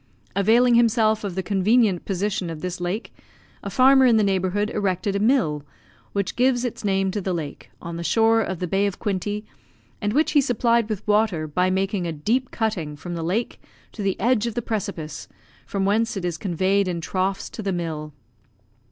Availing himself of the convenient position of this lake, a farmer in the neighbourhood erected a mill, which gives its name to the lake, on the shore of the Bay of Quinte, and which he supplied with water by making a deep cutting from the lake to the edge of the precipice, from whence it is conveyed in troughs to the mill.